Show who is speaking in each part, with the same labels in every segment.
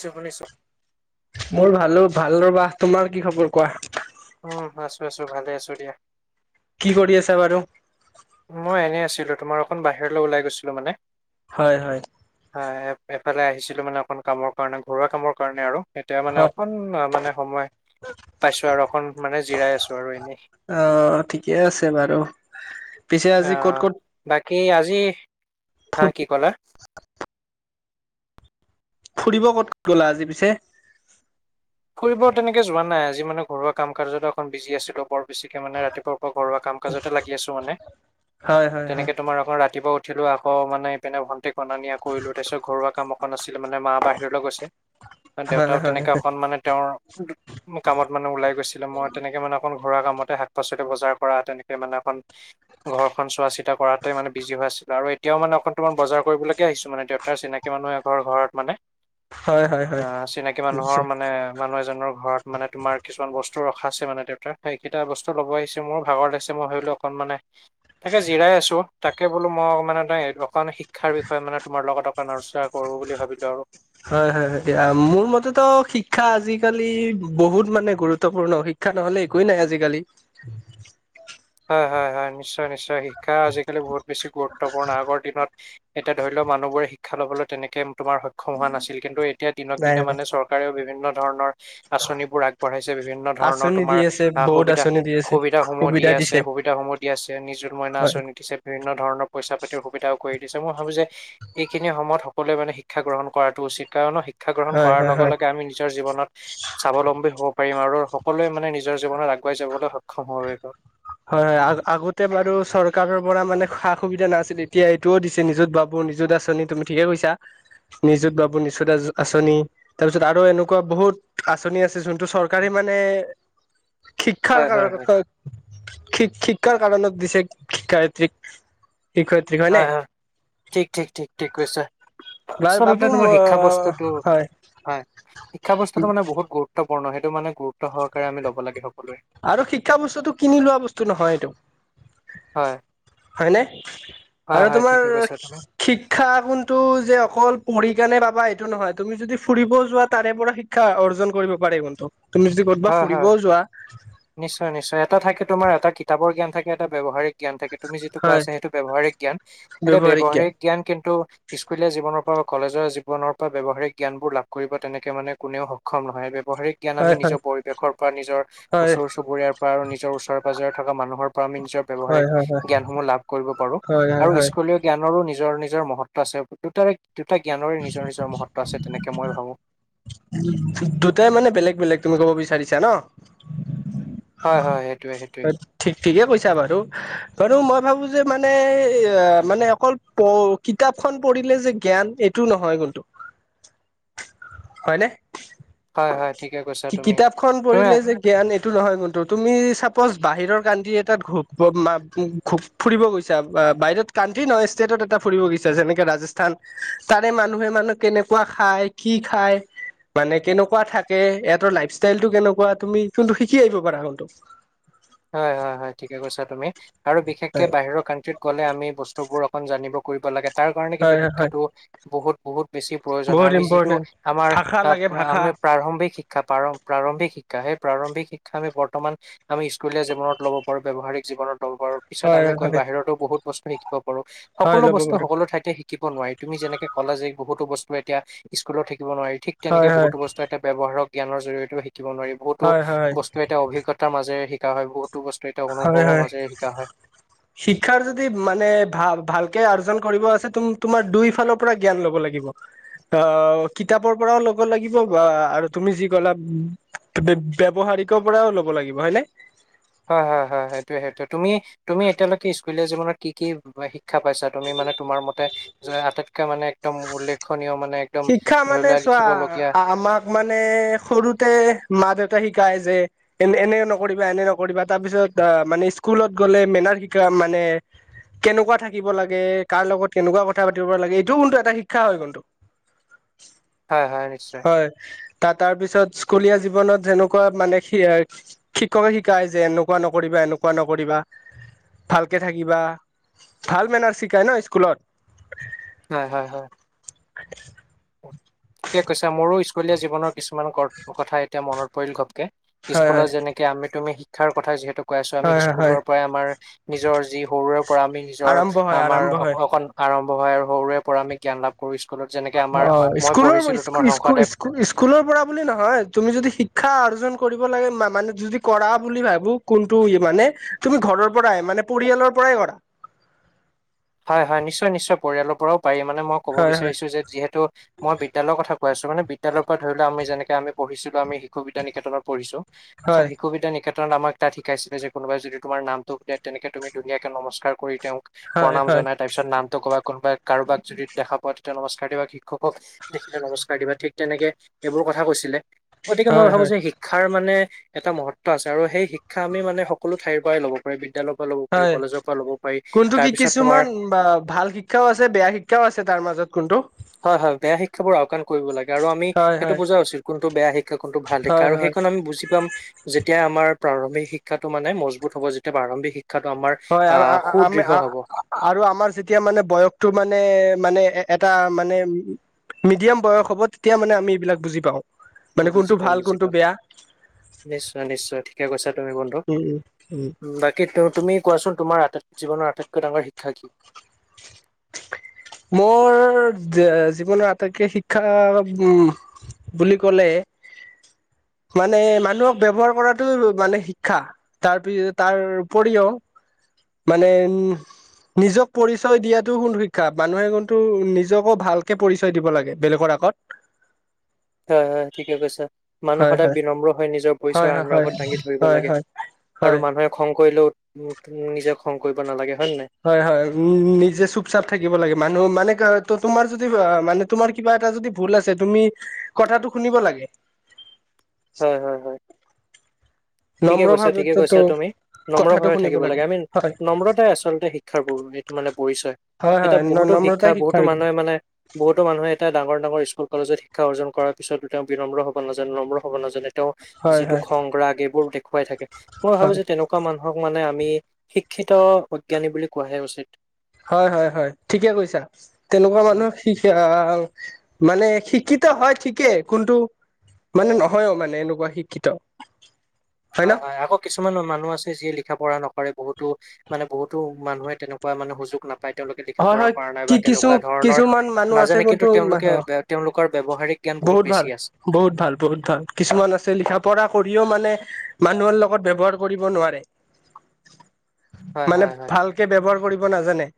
Speaker 1: শুনিছোঁ শুনিছোঁ
Speaker 2: মোৰ ভালো ভাল ৰবা তোমাৰ কি খবৰ কোৱা
Speaker 1: উম আছো আছো ভালে আছো দিয়া
Speaker 2: কি কৰি আছা বাৰু?
Speaker 1: মই এনেই আছিলো, তোমাৰ অকণ বাহিৰলৈ ওলাই গৈছিলো মানে।
Speaker 2: হয় হয়।
Speaker 1: হয়, এ-এফালে আহিছিলো মানে অকন কামৰ কাৰণে, ঘৰুৱা কামৰ কাৰণে আৰু। এতিয়া মানে
Speaker 2: হয়
Speaker 1: অকণ মানে সময় পাইছো আৰু অকণ মানে জিৰাই আছো আৰু এনেই।
Speaker 2: অ', ঠিকে আছে বাৰু, পিছে আজি
Speaker 1: আহ
Speaker 2: ক'ত- ক'ত
Speaker 1: বাকী আজি, হা কি ক'লা?
Speaker 2: ফুৰিব ক'ত গ'লা, আজি পিছে?
Speaker 1: ফুৰিব তেনেকে যোৱা নাই, আজি মানে ঘৰুৱা কাম-কাজতে অকণ বিজি আছিলো বৰ বেছিকে মানে ৰাতিপুৱাৰ পৰা ঘৰুৱা কামকাজতে লাগি আছো মানে,
Speaker 2: হয় হয় হয়
Speaker 1: তেনেকে তোমাৰ আকৌ ৰাতিপুৱা উঠ উঠিলোঁ‌ আকৌ মানে এপিনে ভন্টিক অনা নিয়া কৰিলোঁ‌, তাৰ পিছত ঘৰুৱা কাম এখন আছিলে মানে, মা বাহিৰলৈ গৈছে,
Speaker 2: হয়
Speaker 1: দেউতাও তেনেকুৱা
Speaker 2: হয়
Speaker 1: এখন মানে তেওঁৰ কামত মানে ওলাই গৈছিলে, মই তেনেকে ঘৰুৱা কামতে শাক-পাচলি বজাৰ কৰা তেনেকে মানে অকণ ঘৰখন চোৱা-চিতা কৰাতে মানে বিজি হৈ আছিলে, আৰু এতিয়াও মানে অকন তোমাৰ বজাৰ কৰিবলৈগে আহিছোঁ মানে তেওঁ তাৰ চিনাকি মানুহৰ এঘৰৰ ঘৰত মানে,
Speaker 2: হয় হয় হয়
Speaker 1: অ', চিনাকি
Speaker 2: নিশ্চয়
Speaker 1: মানুহৰ মানে মানুহ এজনৰ ঘৰত মানে তোমাৰ কিছুমান বস্তু ৰখা আছে মানে দেউতাৰ, সেইকেইটা বস্তু ল'ব আহিছোঁ‌, মোৰ ভাগৰ লাগিছে মই ভাবিলোঁ অকণ মানে তাকে জিৰাই আছোঁ‌, তাকে বোলো মই অকমান এটা, অকমান শিক্ষাৰ বিষয়ে মানে তোমাৰ লগত চৰ্চা কৰোঁ বুলি ভাবিলোঁ আৰু।
Speaker 2: হয়- হয়- হয়, অহ, মোৰ মতেটো শিক্ষা আজিকালি বহুত মানে গুৰুত্বপূৰ্ণ, শি শিক্ষা নহলে একোৱেই নাই, আজিকালি।
Speaker 1: হয়- হয়- হয়, নিশ্চয়-নিশ্চয় শিক্ষা আজিকালি বহুত বেছি গুৰুত্বপূৰ্ণ, আগৰ দিনত এতিয়া ধৰি লওঁ, মানুহবোৰে শিক্ষা লবলৈ তেনেকে তোমাৰ সক্ষম হোৱা নাছিল, কিন্তু এতিয়া দিনক
Speaker 2: নাই
Speaker 1: দিনে
Speaker 2: নাই
Speaker 1: মানে চৰ কাৰেওঁ বিভিন্ন ধৰণৰ আঁচনিবোৰ আগবঢ়াইছে, বিভিন্ন ধৰণৰ
Speaker 2: আঁচনি দি
Speaker 1: তোমাৰ,
Speaker 2: আছে
Speaker 1: আ,
Speaker 2: বহুত আঁচনি দি আছে
Speaker 1: সুবিধা-সুবিধাসমূহ দি
Speaker 2: সুবিধা
Speaker 1: আছে,
Speaker 2: দিছে
Speaker 1: সুবিধাসমূহ দি আছে, নিজুত মইনা
Speaker 2: হয়
Speaker 1: আঁচনি দিছে। বিভিন্ন ধৰণৰ পইচা পাতিৰ সুবিধাও কৰি দিছে, মই ভাবো যে সেইখিনি সময়ত সকলোৱে মানে শিক্ষা গ্ৰহণ কৰাটো উচিত, কাৰন শিক্ষা গ্ৰহণ
Speaker 2: হয়
Speaker 1: কৰাৰ
Speaker 2: হয় হয়
Speaker 1: লগে-লগে আমি নিজৰ জীৱনত স্বাৱলম্বী হ'ব পাৰিম, আৰু সকলোৱে মানে নিজৰ জীৱনত আগুৱাই যাবলৈ সক্ষম হ'ব পাৰিব।
Speaker 2: হয়- হয় আ-আগতে বাৰু চৰকাৰৰ পৰা মানে সা-সুবিধা নাছিল, এতিয়া এইটোও দিছে নিজুত বাবু, নিজুত আঁচনি। তুমি ঠিকে কৈছা, নিজুত বাবু, নিজুত আঁচনি। তাৰপিছত আৰু এনেকুৱা বহুত আঁচনি আছে, যোনটো চৰকাৰে মানে শিক্ষাৰ
Speaker 1: হয় হয়
Speaker 2: কাৰণ
Speaker 1: হয়।
Speaker 2: [unintelligible] শিক-শিক্ষাৰ কাৰণত দিছে, শিক্ষায়িত্ৰীক, শিক্ষয়ি
Speaker 1: হয়- হয়, ঠিক-ঠিক-ঠিক-ঠিক কৈছা।
Speaker 2: বাৰু বাবু
Speaker 1: আচলতে তোমাৰ শিক্ষা বস্তুতোটো,
Speaker 2: হয়
Speaker 1: হয়, শিক্ষা বস্তুতোটো মানে বহুত গুৰুত্ব গুৰুত্বপূৰ্ণ, সেইটো মানে গুৰুত্ব সহকাৰে আমি ল'ব লাগে সকলোৱে।
Speaker 2: আৰু শিক্ষা বস্তুটো কিনি লোৱা বস্তু নহয় এইটো।
Speaker 1: হয়
Speaker 2: হয়নে?
Speaker 1: হয়
Speaker 2: আৰু
Speaker 1: হয়
Speaker 2: তোমাৰ
Speaker 1: ঠিকে কৈছা তুমি
Speaker 2: শিক্ষা গুনটো যে অকল পঢ়ি কেনে পাবা এইটো নহয়, তুমি যদি ফুৰিবও যোৱা তাৰে পৰা শিক্ষা অৰ্জন কৰিব পাৰি বন্ধু, তুমি যদি ক'ৰবাত ফুৰিবও যোৱা
Speaker 1: নিশ্চয়-নিশ্চয়, এটা থাকে তোমাৰ এটা কিতাপৰ জ্ঞান থাকে, এটা ব্যৱহাৰিক জ্ঞান থাকে, তুমি যিটো কৈ
Speaker 2: হয়
Speaker 1: আছা সেইটো ব্যৱহাৰিক জ্ঞান, এতিয়া ব্যৱহাৰিক জ্ঞান কিন্তু স্কুলীয়া জীৱনৰ পৰা বা কলেজৰ জীৱনৰ পৰা ব্যৱহাৰিক জ্ঞানবোৰ লাভ কৰিব, তেনেকে মানে কোনেও সক্ষম নহয়, ব্যৱহাৰিক জ্ঞান আমি
Speaker 2: হয়
Speaker 1: নিজৰ
Speaker 2: হয়
Speaker 1: পৰিৱেশৰ পৰা, নিজৰ
Speaker 2: হয়
Speaker 1: ওচৰ চুবুৰীয়াৰ পৰা, আৰু নিজৰ ওচৰে পাজৰে থকা মানুহৰ পৰা আমি নিজৰ
Speaker 2: হয়
Speaker 1: ব্যৱহাৰিক
Speaker 2: হয়
Speaker 1: জ্ঞানসমূহ লাভ কৰিব পাৰো,
Speaker 2: হয় হয় হয়
Speaker 1: আৰু
Speaker 2: হয়
Speaker 1: স্কুলীয় জ্ঞানৰো নিজৰ নিজৰ মহত্ব আছে দুটাৰে দুটা জ্ঞানৰে নিজৰ নিজৰ মহত্ব আছে তেনেকে মই ভাবো
Speaker 2: দুটাই মানে বেলেগ বেলেগ তুমি কব বিচাৰিছা ন
Speaker 1: হয় হয় সেইটোৱে সেইটোৱে
Speaker 2: ঠিক ঠিকেই কৈছা বাৰু আৰু মই ভাবোঁ যে মানে মানে অকল প কিতাপখন পঢ়িলে যে জ্ঞান এইটো নহয় কিন্তু হয়নে
Speaker 1: হয় হয় ঠিকে কৈছা তুমি
Speaker 2: কিতাপখন
Speaker 1: তুমি
Speaker 2: পঢ়িলে যে জ্ঞান এইটো নহয় কিন্তু তুমি চাপ'জ বাহিৰৰ কাউনটি এটাত ঘ ঘ ফুৰিব গৈছা বাহিৰত কাউনট্ৰি নহয় ষ্টেটত এটা ফুৰিব গৈছা যেনেকে ৰাজস্থান তাৰে মানুহে মানুহ কেনেকুৱা খায় কি খায়? মানে কেনেকুৱা থাকে ইহঁতৰ লাইফষ্টাইলটো কেনেকুৱা তুমি কিন্তু শিকি আহিব পাৰা হটো
Speaker 1: হয় হয় হয় ঠিকে কৈছা তুমি আৰু বিশেষকে
Speaker 2: হয়
Speaker 1: বাহিৰৰ কাউণ্ট্ৰিত গ'লে আমি বস্তুবোৰ অকন জানিব কৰিব লাগে তাৰ কাৰণে কিন্তু
Speaker 2: হয় হয়
Speaker 1: শিক্ষাটো বহুত বহুত বেছি প্ৰয়োজন হয়
Speaker 2: বহুত
Speaker 1: আমি যিটো
Speaker 2: ইম্পৰ্টেণ্ট
Speaker 1: আমাৰ
Speaker 2: ভাষা লাগে ভাষা
Speaker 1: আমি প্ৰাৰম্ভিক শি ক্ষা প্ৰাৰ প্ৰাৰম্ভিক শিক্ষা সেই প্ৰাৰম্ভিক শিক্ষা আমি বৰ্তমান আমি স্কুলীয়া জীৱনত ল'ব পাৰো ব্যৱহাৰিক জীৱনত ল'ব পাৰো পিছত
Speaker 2: হয়
Speaker 1: আমি গৈ
Speaker 2: হয়
Speaker 1: বাহিৰতো বহুত বস্তু শিকিব পাৰো
Speaker 2: হয়
Speaker 1: সকলো
Speaker 2: ল'ব
Speaker 1: বস্তু
Speaker 2: পাৰো
Speaker 1: সকলো ঠাইতে শিকিব নোৱাৰি তুমি যেনেকে কলা যে বহুতো বস্তু এতিয়া স্কুলত শিকিব নোৱাৰি ঠিক
Speaker 2: হয়
Speaker 1: তেনেকে
Speaker 2: হয়
Speaker 1: বহুতো বস্তু এটা ব্যৱহাৰক জ্ঞানৰ জৰিয়তেও শিকিব নোৱাৰি বহুতো
Speaker 2: হয় হয়
Speaker 1: বস্তু এ এতিয়া অভিজ্ঞতাৰ মাজেৰে শিকা হয় বহুতো বস্তু এতিয়া
Speaker 2: হয়
Speaker 1: অনুভৱৰ
Speaker 2: হয়
Speaker 1: মাজেৰে শিকা হয়
Speaker 2: শিক্ষাৰ যদি মানে ভা ভালকে অৰ্জন কৰিব আছে তুমি তোমাৰ দুইফালৰ পোৰা জ্ঞান ল'ব লাগিব অ কিতাপৰ পৰাও ল'ব লাগিব বা আৰু তুমি যি কলা ব্যয়ৱহাৰিকৰ পৰাও ল'ব লাগিব হয়নে?
Speaker 1: হয় হয় হয় সেইটোৱে সেইটোৱে তুমি তুমি এতিয়ালৈকে স্কুলীয়া জীৱনত কি কি শিক্ষা পাইছা তুমি মানে তোমাৰ মতে যে আটাইতকৈ মানে একদম উল্লেখনীয় মানে একদম
Speaker 2: শিক্ষা
Speaker 1: ধৰি
Speaker 2: মানে
Speaker 1: লোৱা লিখিবলগীয়া
Speaker 2: চোৱা আমাক মানে সৰুতে মা দেউতা শিকায় যে এনে এনে নকৰিবা এনে নকৰিবা তাৰপিছত আহ মানে স্কুলত গলে মেনাৰ শিকা মানে কেনেকুৱা থাকিব লাগে কাৰ লগত কেনেকুৱা কথা পাতিব লাগে এইটোও কিন্তু এটা শিক্ষা হয় কিন্তু [inaudible]
Speaker 1: হয় হয় নিশ্চয়
Speaker 2: হয় তা তাৰ পিছত স্কুলীয়া জীৱনত সেনেকুৱা মানে সে শিক্ষকে শিকায় যে এনেকুৱা নকৰিবা এনেকুৱা নকৰিবা ভালকে থাকিবা ভাল মেনাৰছ শিকায় ন স্কুলত
Speaker 1: হয় হয় হয় ঠিকে কৈছা মোৰো স্কুলীয়া জীৱনৰ কিছুমান কৰ কথা এতিয়া মনত পৰিল ঘপকে
Speaker 2: হয়
Speaker 1: স্কুলত
Speaker 2: হয়
Speaker 1: যেনেকে এতিয়া আমি তুমি শিক্ষাৰ কথা যিহেতু কৈ আছো আমি
Speaker 2: হয় হয় হয়
Speaker 1: স্কুলৰ পৰাই আমাৰ নিজৰ যি সৰুৰে পৰা আমি নিজৰ
Speaker 2: আৰম্ভ হয়
Speaker 1: আমাৰ
Speaker 2: আৰম্ভ
Speaker 1: অ
Speaker 2: হয়
Speaker 1: অকন আৰম্ভ হয় আৰু সৰুৰে পৰা আমি জ্ঞান লাভ কৰো যেনেকে আমাৰ
Speaker 2: অ
Speaker 1: মই
Speaker 2: স্কুলৰ
Speaker 1: পঢ়িছিলো
Speaker 2: স্কু
Speaker 1: তোমাৰ
Speaker 2: স্কু
Speaker 1: শংকৰদেৱ
Speaker 2: স্কুল স্কুলৰ পৰা বুলি নহয় তুমি যদি শিক্ষা অৰ্জন কৰিব লাগে মানে যদি কৰা বুলি ভাবোঁ কোনটো মানে তুমি ঘৰৰ পৰাই মানে পৰিয়ালৰ পৰাই কৰা
Speaker 1: হয় হয় নিশ্চয় নিশ্চয় পৰিয়ালৰ পৰাও পাৰি মানে মই ক'ব
Speaker 2: হয় হয়
Speaker 1: বিচাৰিছো যে যিহেতু মই বিদ্যালয়ৰ কথা কৈছো মানে বিদ্যালয়ৰ পৰা ধৰি লোৱা আমি যেনেকে আমি শিশু বিদ্যানিকেতনত পঢ়িছো চ'
Speaker 2: হয়
Speaker 1: শিশু বিদ্যানিকে তন আমাক তাত শিকাইছিলে যে কোনোবাই যদি তোমাৰ নামটো খুধে, তেনেকে তমি ধুনিয়াকে নমস্কাৰ কৰি তেওঁক
Speaker 2: হয়
Speaker 1: প্ৰণাম
Speaker 2: হয়
Speaker 1: জনাই তাৰ পিছত নামটো ক'বা, কোনোবাই কাৰোবাক যদি দেখা পোৱা তেতিয়া নমস্কাৰ দিবা। শিক্ষকক দেখিলে নমস্কাৰ দিবা ঠিক তেনেকে, এইবোৰ কথা কৈছিলে গতিকে মই
Speaker 2: হয় হয়
Speaker 1: ভাবো
Speaker 2: হয়
Speaker 1: যে শি শিক্ষাৰ মানে এটা মহত্ব আছে আৰু সেই শিক্ষা আমি মানে সকলো ঠাইৰ পৰাই ল'ব বিদ্যালয়ৰ পৰা ল'ব পাৰি,
Speaker 2: হয়
Speaker 1: কলেজৰ পৰা ল'ব পাৰি।
Speaker 2: কোনটো কি
Speaker 1: তাৰপিছত তোমাৰ
Speaker 2: কিছুমান বা ভাল শিক্ষাও আছে, বেয়া শিক্ষাও আছে তাৰ মাজত কোনটো।
Speaker 1: হয়', হয়', বেয়া শিক্ষাবোৰ আওকাণ কৰিব লাগে আৰু আমি
Speaker 2: হয়
Speaker 1: সেইটো
Speaker 2: হয়
Speaker 1: বুজা উচিত কোনটো বেয়া শিক্ষা শিক্ষা কোনটো ভাল শিক্ষা
Speaker 2: হয়
Speaker 1: আৰু
Speaker 2: হয়
Speaker 1: সেইকন আমি বুজি পাম। যেতিয়া আমাৰ প্ৰাৰম্ভিক শিক্ষাটো মানে মজবুত হ'ব, যেতিয়া প্ৰাৰম্ভিক শিক্ষাটো আমাৰ
Speaker 2: হয়', আ'-
Speaker 1: আহ
Speaker 2: আ'- আমি
Speaker 1: সুদৃঢ় হ'ব
Speaker 2: আৰু আমাৰ যেতিয়া মানে বয়সতটো মানে- মানে এটা মানে মিডিয়াম বয়স হ'ব তেতিয়া মানে আমি এইবিলাক পাওঁ। মানে কোনটো
Speaker 1: বুজি পাম
Speaker 2: ভাল
Speaker 1: বুজি
Speaker 2: কোনটো
Speaker 1: পাম
Speaker 2: বেয়া।
Speaker 1: নিশ্চয়- নিশ্চয় ঠিকে কৈছা তুমি বন্ধু,
Speaker 2: উম উম উম
Speaker 1: বা কি তুমি কোৱাচোন তুমাৰ আটাইতকৈ জীৱনৰ আটাইতকৈ ডাঙৰ শিক্ষা কি?
Speaker 2: মোৰ জীৱনৰ আটাইকে শিক্ষা উম' বুলি কলে, মানে মানুহক ব্যৱহাৰ কৰাটো মানে শিক্ষা। তাৰপিছ তাৰ উপৰিও মানে উম', নিজক পৰিচয় দিয়াটো হ'ল শিক্ষা। মানুহে কিন্তু নিজকো ভালকে পৰিচয় দিব লাগে বেলেগৰ আগত।
Speaker 1: হয়', হয়', ঠিকে কৈছা, মানুহ
Speaker 2: হয়
Speaker 1: সদায়
Speaker 2: হয়
Speaker 1: বিনম্ৰ হৈ নিজৰ
Speaker 2: হয়
Speaker 1: পৰিচয় আনৰ
Speaker 2: হয়
Speaker 1: আগত দাঙি ধৰিব
Speaker 2: হয় হয়
Speaker 1: লাগে।
Speaker 2: হয়
Speaker 1: আৰু
Speaker 2: হয়
Speaker 1: মানুহে খং কৰিলেও নিজে খং কৰিব নালাগে, হয় নাই?
Speaker 2: হয়', হয়', উম' নিজে চুপ-চাপ থাকিব লাগে মানুহ মানে তোমাৰ যদি মানে তোমাৰ কিবা এটা যদি ভুল আছে তুমি কথাটো শুনিব লাগে।
Speaker 1: হয়', হয়', হয়',। ঠিকে
Speaker 2: নম্ৰ
Speaker 1: কৈছা
Speaker 2: ভাৱে
Speaker 1: ঠিকে
Speaker 2: তো
Speaker 1: কৈছা তুমি নম্ৰ
Speaker 2: কথাটো
Speaker 1: ভাৱে
Speaker 2: শুনিব
Speaker 1: থাকিব লাগে, আমি
Speaker 2: হয়
Speaker 1: নম্ৰতাই আচলতে শি শিক্ষাৰ ব' এইটো মানে পৰিচয়,
Speaker 2: হয়
Speaker 1: এটা
Speaker 2: হয়
Speaker 1: বহুতো শিক্ষা
Speaker 2: নম্ৰতাই
Speaker 1: বহুতো
Speaker 2: শিক্ষাৰ গুণ
Speaker 1: মানুহে মানে বহুতো মানুহ এটা ডাঙৰ- ডাঙৰ স্কুল কলেজত শিক্ষা অৰ্জন কৰাৰ পছত তেওঁ বিনম্ৰ হ'ব নাজানে, নম্ৰ হ'ব নাজানে। তেওঁ
Speaker 2: হয়
Speaker 1: যিটো
Speaker 2: হয়
Speaker 1: খং, ৰাগ এইবোৰ দেখুৱাই থাকে মই
Speaker 2: হয়
Speaker 1: ভাবো যে তেনেকুৱা মানুহক মানে আমি, শিক্ষিত অজ্ঞানী বুলি কোৱাহে উচিত।
Speaker 2: হয়', হয়', হয়', ঠিকে কৈছা, তেনেকুৱা
Speaker 1: উম
Speaker 2: মানুহক শি আ মানে শিক্ষিত হয়' ঠিকেই কোনটো মানে নহয়ও মানে এনেকুৱা শিক্ষিত।
Speaker 1: হয়', হয়', আক' কিছুমান মানুহ আছে যিয়ে লিখা-পঢ়া নকৰে, বহুতো মানে বহুতো মানুহে তেনেকুৱা মানে সুযোগ নাপ পায় বা তেওঁলোকে লিখা
Speaker 2: হয়
Speaker 1: পঢ়া
Speaker 2: হয়
Speaker 1: কৰা নাই বা
Speaker 2: কি কিছু
Speaker 1: তেনেকুৱা ধৰণৰ
Speaker 2: কিছুমান মানুহ আছে
Speaker 1: নাজানে কিন্তু
Speaker 2: কোনটো
Speaker 1: তেওঁলোকে তেওঁলোকৰ ব্যৱহাৰিক জ্ঞান বহুত বেছি আছে।
Speaker 2: বহুত ভাল বহুত ভাল কিছুমান আছে, লিখা-পঢ়া কৰিও মানে মানুহৰ লগত ব্যৱহাৰ কৰিব নোৱাৰে।
Speaker 1: হয়,
Speaker 2: মানে
Speaker 1: হয়, হয়।
Speaker 2: ভালকে ব্যৱহাৰ কৰিব নাজানে।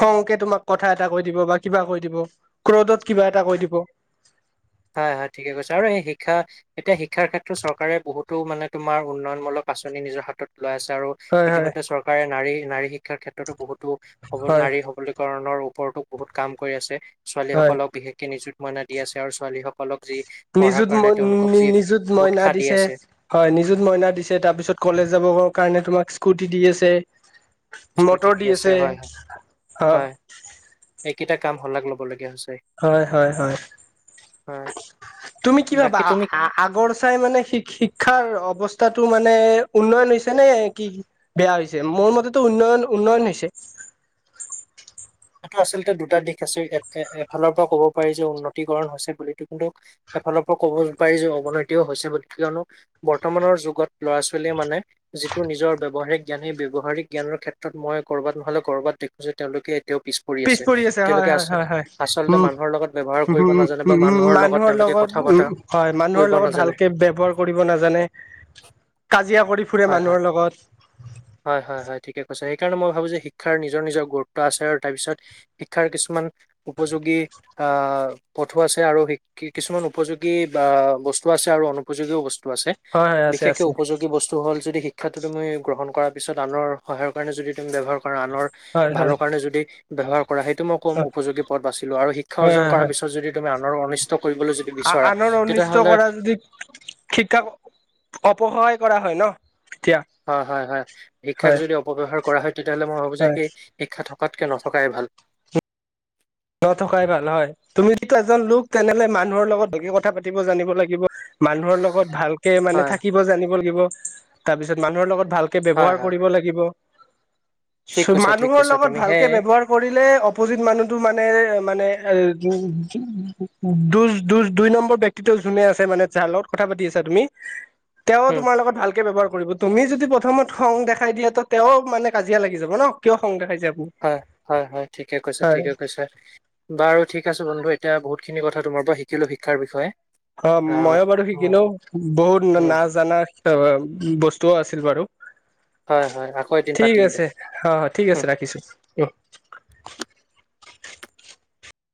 Speaker 2: খংকে তোমাক কথা এটা কৈ দিব বা কিবা কৈ দিব, ক্ৰদত কিবা এটা কৈ দিব।
Speaker 1: হয়', হয়', ঠিকে কৈছে আৰু এই শিক্ষা এতিয়া শিক্ষাৰ ক্ষেত্ৰত চৰকাৰে বহুতো মানে তোমাৰ, উন্নয়নমূলক আঁচনি নিজৰ হাতত লৈ আছে আৰু
Speaker 2: হয় হয়
Speaker 1: ইতিমধ্যে চৰকাৰে নাৰী, নাৰী শিক্ষাৰ ক্ষেত্ৰতো বহুতো সবল
Speaker 2: হয়
Speaker 1: নাৰী সব কৰণৰ ওপৰতো বহুত কাম কৰি আছে ছোৱালী
Speaker 2: হয়
Speaker 1: সকলক বিশেষকে নিযুত মইনা দি আছে আৰু ছোৱালীসকল সকলক যি পঢ়াৰ
Speaker 2: নিজুত ম
Speaker 1: কাৰণে তেওঁলোকক যি
Speaker 2: নিজুত মইনা
Speaker 1: উৎসাহ দি
Speaker 2: দিছে
Speaker 1: আছে।
Speaker 2: হয় নিজুত মইনা দিছে তাৰপিছত কলেজ যাব কাৰণে তোমাক স্কুটি দি আছে।
Speaker 1: স্কুটি
Speaker 2: মটৰ দি আছে।
Speaker 1: হয়, হয়।
Speaker 2: আ
Speaker 1: হয় এইকেইটা কাম শলাগ ল'বলগগীয়া হৈছে।
Speaker 2: হয় হয় হয়।
Speaker 1: হয়,
Speaker 2: তুমি কি ভাবা
Speaker 1: বাকী তুমি
Speaker 2: আ আগৰ চাই মানে শি-শিক্ষাৰ অৱস্থাটো মানে উন্নয়ন হৈছে নে কি? বেয়া হৈছে, মোৰ মতেতো উন্নয়ন, উন্নয়ন হৈছে।
Speaker 1: এইটো আচলতে দুটা দিশ আছে, এ-এ-এফালৰ পৰা ক'ব পাৰি যে উন্নতিকৰণ হৈছে বুলিতো কিন্তু এফালৰ পৰা ক'ব পাৰি যে অৱনতিও হৈছে কিয়নো বৰ্তমানৰ যুগত ল'ৰা ছোৱালীয়ে মানে যিটো নিজৰ ব্যৱহাৰিক জ্ঞান সেই ব্যৱহাৰিক জ্ঞানৰ ক্ষেত্ৰত মই ক'ৰবাত নহ'লে ক'ৰবাত দেখো যে তেওঁলোকে তেওঁ পিছ কৰি আছে,
Speaker 2: পৰি হয়
Speaker 1: তেওঁলোকে আচ
Speaker 2: হয় হয় হয়
Speaker 1: আচলতে
Speaker 2: উম
Speaker 1: মানুহৰ লগত ব্যৱহাৰ
Speaker 2: উম
Speaker 1: কৰিব নাজানে বা মানুহৰ লগত তেওঁলোকে কথা পতা
Speaker 2: হয় মানুহৰ লগত ভালকে ব্যৱহাৰ কৰিব নাজানে, কাজিয়া কৰি ফুৰে
Speaker 1: হয় হয়।
Speaker 2: মানুহৰ লগত।
Speaker 1: হয় হয় হয় ঠিকে কৈছা, সেইকাৰণে মই ভাবোঁ যে শিক্ষাৰ নিজৰ নিজৰ গুৰুত্ব আছে আৰু তাৰপিছত শিক্ষাৰ কিছুমান উপযোগী আ, পথো আছে আৰু শি কি কিছুমান উপযোগী বা বস্তু আছে আৰু অনুপযোগীও বস্তু আছে।
Speaker 2: হয় হয় আছে
Speaker 1: বিশেষকে
Speaker 2: আছে
Speaker 1: উপযোগী বস্তু হ'ল যদি শিক্ষাটো তুমি গ্ৰহণ কৰাত পিছত আনৰ সহায়ৰ কাৰণে যদি তুমি ব্যৱহাৰ কৰা আনৰ
Speaker 2: হয় হয়
Speaker 1: ভালৰ কাৰণে যদি ব্যৱহাৰ কৰা সেইটো মই ক'ম
Speaker 2: হয়
Speaker 1: উপযোগী পথ বাছি লোৱা আৰু শিক্ষা
Speaker 2: হয়
Speaker 1: অৰ্জন
Speaker 2: হয়
Speaker 1: কৰাৰ
Speaker 2: হয়
Speaker 1: পিছত যদি তুমি আনৰ অনিষ্ট কৰিবলৈ যদি বিচৰা
Speaker 2: আনৰ অনিষ্ট
Speaker 1: তেতিয়াহ'লে
Speaker 2: কৰা যদি শিক্ষাক অপসহায় কৰা হয় ন' তেতিয়া।
Speaker 1: হয় হয় হয়। শিক্ষাক
Speaker 2: হয়
Speaker 1: যদি অপব্যয়হাৰ কৰা হয় তেতিয়াহ'লে মই ভাবোঁ যে
Speaker 2: হয়
Speaker 1: সেই শিক্ষা থকাতকে নথকাই ভাল।
Speaker 2: নথকাই ভাল হয়। তুমি যিটো এজন লোক তেনেহ'লে মানুহৰ লগত ভালকে কথা পাতিব জানিব লাগিব। মানুহৰ লগত ভাল কে
Speaker 1: হয়
Speaker 2: মানে থাকিব জানিব লাগিব, তাৰপিছত মানুহৰ ভালকে
Speaker 1: হয়,
Speaker 2: ব্যৱহাৰ
Speaker 1: হয়।
Speaker 2: কৰিব লাগিব।
Speaker 1: ঠিক কৈছা, ঠিক
Speaker 2: মানুহৰ
Speaker 1: কৈছা
Speaker 2: লগত
Speaker 1: তুমি।
Speaker 2: ভালকে
Speaker 1: সেয়ে
Speaker 2: ব্যৱহাৰ কৰিলে অপজিট মানুহ এতো মানে আৰু যো যো যো দুই নম্বৰ কিন্তু জোনে আছে মানে যাৰ লগত কথা পাতি আছা। তেওঁ
Speaker 1: উম,
Speaker 2: তোমাৰ লগত ভালকে ব্যৱহাৰ কৰিব। তুমি যদি প্ৰথমত খং দেখাই দিয়া তো তেওঁ মানে কাজিয়া লাগি যাব ন' কিয় খং দেখাইছে আপনি?
Speaker 1: হয় হয় হয় থিকে কৈছ ঠিকে কৈছ বাৰু ঠিক আছে বন্ধু, এতিয়া বহুখিনি কথা তোমাৰ পৰা শিকিলো, শিক্ষাৰ বিষয়ে।
Speaker 2: অ'
Speaker 1: আহ
Speaker 2: ময়ো বাৰু
Speaker 1: উম,
Speaker 2: শিকিনো বহুত
Speaker 1: উম,
Speaker 2: না-নাজানা তাৰপৰা বস্তুৱো অ আছিল বাৰু
Speaker 1: হয় হয় আকৌ এদিন পাতিম দে
Speaker 2: হয়, হয়। ঠিক আছে ৰাখিছো।